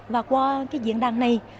và qua diễn đàn này